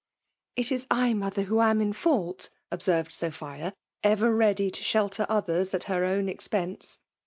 " It is /, mother, who am in fault,"*— observed Sophia, ever ready to shelter others at her own expense.